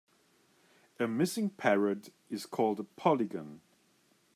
A missing parrot is called a polygon.